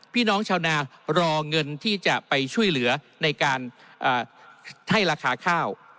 พี่น้องชาวนารอเงินที่จะไปช่วยเหลือในการให้ราคาข้าว